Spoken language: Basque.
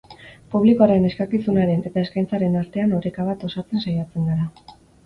Publikoaren eskakizunaren eta eskaintzaren artean oreka bat osatzen saiatzen gara.